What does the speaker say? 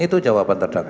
itu jawaban terdakwa